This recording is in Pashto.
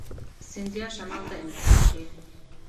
سیندهیا شمال ته انتقال شي.